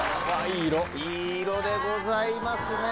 いい色でございますね